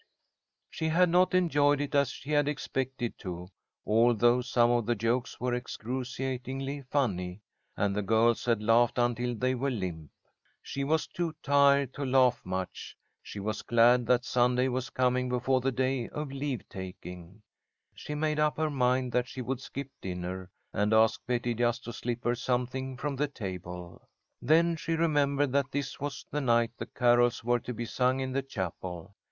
She had not enjoyed it as she had expected to, although some of the jokes were excruciatingly funny, and the girls had laughed until they were limp. She was too tired to laugh much. She was glad that Sunday was coming before the day of leave taking. She made up her mind that she would skip dinner, and ask Betty just to slip her something from the table. Then she remembered that this was the night the carols were to be sung in the chapel.